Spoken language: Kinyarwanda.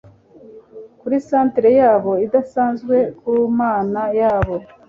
Kuri centre yabo idasanzwe ku Mana yabo